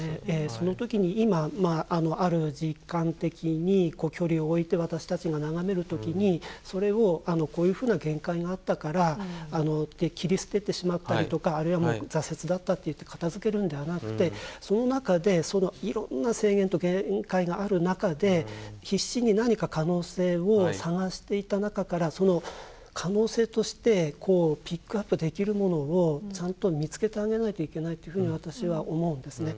その時に今ある時間的に距離を置いて私たちが眺める時にそれをこういうふうな限界があったからって切り捨ててしまったりとかあるいは挫折だったっていって片づけるんではなくてその中でいろんな制限と限界がある中で必死に何か可能性を探していた中からその可能性としてこうピックアップできるものをちゃんと見つけてあげないといけないというふうに私は思うんですね。